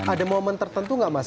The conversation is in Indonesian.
ada momen tertentu nggak mas